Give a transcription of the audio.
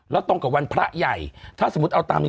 แล้วตรงกับวันพระใหญ่ถ้าสมมุติเอาตามนี้